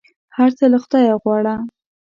هر څه له خدایه غواړه !